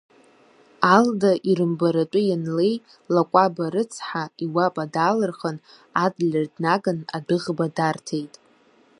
Алда ирымбаратәы ианлеи, Лакәаба рыцҳа, иуапа даалырхын, Адлер днаган адәыӷба дарҭит.